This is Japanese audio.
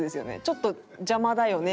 ちょっと邪魔だよね？